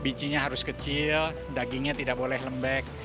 bijinya harus kecil dagingnya tidak boleh lembek